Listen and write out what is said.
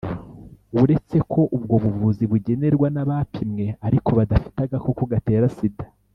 uretse ko ubwo buvuzi bugenerwa n’abapimwe ariko badafite agakoko gatera sida.